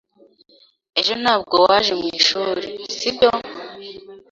Ejo ntabwo waje mwishuri, sibyo?